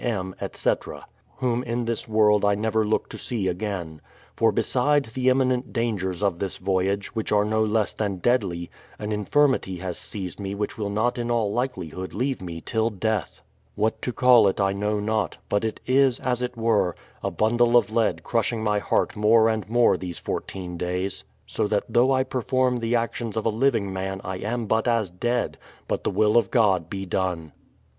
M., etc., whom in this world I never look to see again. For beside the im.minent dangers of this voyage, which are no less than deadly, an infirmity has seized me which will not in all likeli hood leave me till death. What to call it I know not ; but it is, as it were, a bundle of lead crushing my heart more and more these fourteen days, so that though I perform the actions of a living man I am but as dead; but the will of God be done.